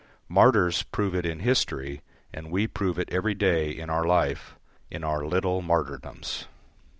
Martyrs prove it in history, and we prove it every day in our life in our little martyrdoms.